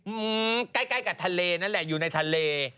ใกล้ใกล้กับทะเลนั่นแหละอยู่ในทะเล